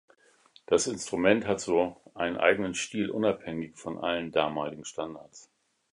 Das Instrument hat so einen eigenen Stil, unabhängig von allen damaligen Standards.